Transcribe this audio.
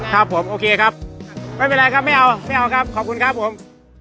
ครับผมโอเคครับไม่เป็นไรครับไม่เอาไม่เอาครับขอบคุณครับผม